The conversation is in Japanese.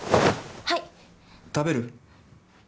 はい食べる？